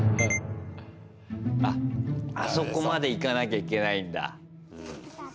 あっ、あそこまでいかなきゃいけないんだ。